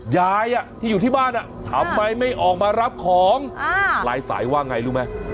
ยายที่อยู่ที่บ้านทำไมไม่ออกมารับของลายสายว่าไงรู้ไหม